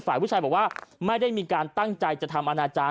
ฝ่ายผู้ชายบอกว่าไม่ได้มีการตั้งใจจะทำอนาจารย